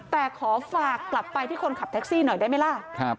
แต่ขอฝากกลับไปที่คนขับแท็กซี่หน่อยได้ไหมล่ะ